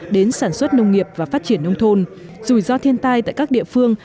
đến sản xuất nông nghiệp và phát triển nông thôn rủi ro thiên tai tại các địa phương